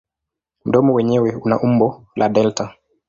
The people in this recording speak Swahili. Mdomo wenyewe una umbo la delta.